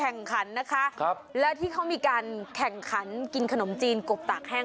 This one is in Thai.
โอ้โหแล้วดูป้าเขาอัดขนมจีนเข้าไป